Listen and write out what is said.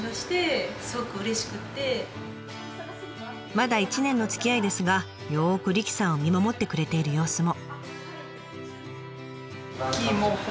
まだ１年のつきあいですがよく理妃さんを見守ってくれている様子も。